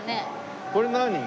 これ何？